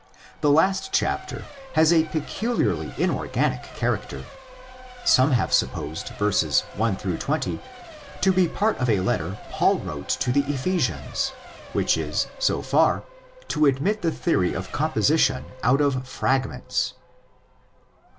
The last chapter has a peculiarly inorganic character. Some have supposed verses 1 20 to be part of a letter Paul wrote to the Ephesians— which is, so far, to admit the theory of composition out of fragments.